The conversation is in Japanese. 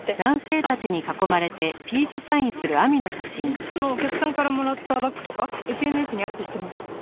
いっつもお客さんからもらったバッグとかＳＮＳにアップしてます。